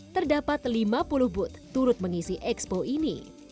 terdapat lima puluh booth turut mengisi expo ini